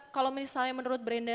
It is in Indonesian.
kalau misalnya menurut brenda